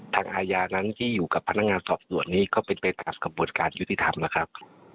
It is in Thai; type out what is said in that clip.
อาญานั้นที่อยู่กับพนักงานสอบสวนนี้ก็เป็นไปตามกระบวนการยุติธรรมนะครับ